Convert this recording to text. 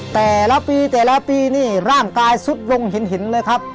แต่ละปีแต่ละปีนี่ร่างกายสุดลงเห็นเลยครับ